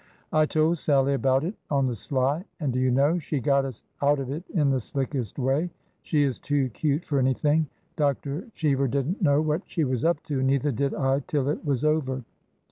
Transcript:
I told Sallie about it on the sly, and, do you know, she got us out of it in the slickest way 1 She is too cute for anything 1 Dr. Cheever did n't know what she was up to, and neither did I till it was over.